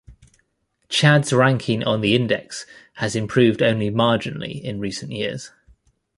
Chad's ranking on the index has improved only marginally in recent years.